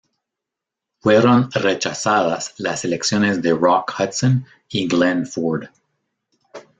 Fueron rechazadas las elecciones de Rock Hudson y Glenn Ford.